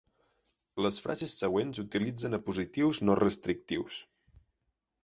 Les frases següents utilitzen apositius no restrictius.